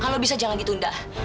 kalau bisa jangan ditunda